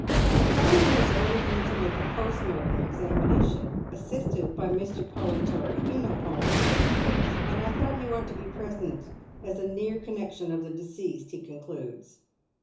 " The coroner has ordered me to make a post mortem examin ation, assisted by Mr. PoUintory — you know Pollintory, of course ; and I thought you ought to be present, as a near con nection of the deceased," he concludes.